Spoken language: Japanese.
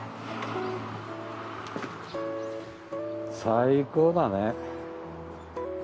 最高だね。